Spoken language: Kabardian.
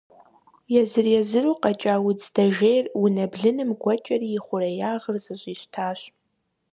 Езыр-езыру къэкӏа удз дэжейр унэ блыным гуэкӏэри и хъуреягъыр зэщӏищтащ.